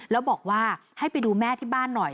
แล้วบอกว่าให้ไปดูแม่ที่บ้านหน่อย